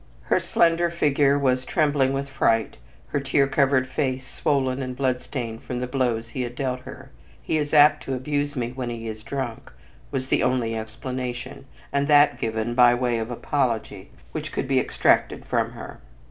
Her slender figure was trembling with fright, her tear covered face swollen and bloodstained from the blows he had dealt her. "He is apt to abuse me when he is drunk," was the only explanation, and that given by way of apology, which could be extracted from her.